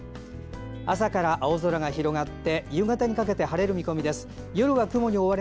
朝から青空が広がって夕方まで晴れる見込みです。